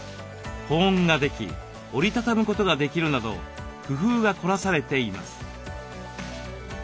保温ができ折り畳むことができるなど工夫が凝らされています。